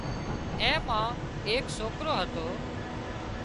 اين مان ايڪ سوڪرو هتو